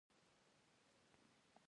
د عدالت لپاره څوک اړین دی؟